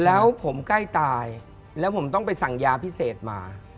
แล้วผมใกล้ตายแล้วผมต้องไปสั่งยาพิเศษมา